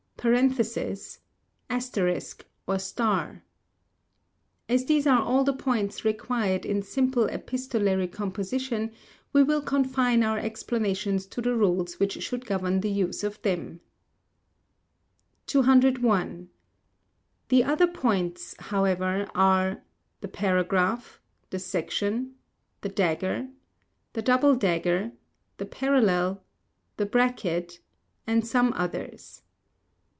Parenthesis () Asterisk, or Star * As these are all the points required in simple epistolary composition, we will confine our explanations to the rules which should govern the use of them. 201. The Other Points, however, are: the paragraph ¶ the section § the dagger [can not be shown in a .txt file] the double dagger [ditto] the parallel || the bracket [] and some others.